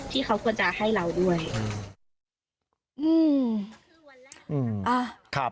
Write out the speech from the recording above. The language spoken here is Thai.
ที่เขาควรจะให้เราด้วย